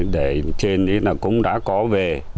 để trên thì cũng đã có về